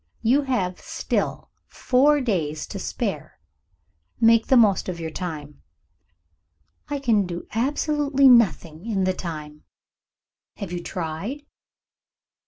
You have still four days to spare. Make the most of your time." "I can do absolutely nothing in the time." "Have you tried?"